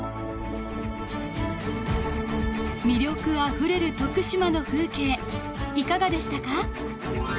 魅力あふれる徳島の風景いかがでしたか？